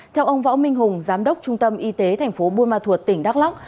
theo ông võ minh hùng giám đốc trung tâm y tế tp buôn ma thuột tỉnh đắk lắc